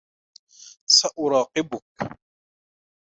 سأراقبك.